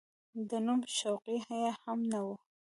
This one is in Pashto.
د نوم شوقي یې هم نه و.